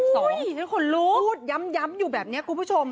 ๘๒ทุกคนรู้ย้ำอยู่แบบนี้คุณผู้ชม